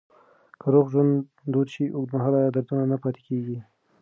که روغ ژوند دود شي، اوږدمهاله دردونه نه پاتې کېږي.